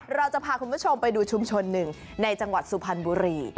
เราจะพาคุณผู้ชมไปดูชุมชนหนึ่งในจังหวัดสุพรรณบุรี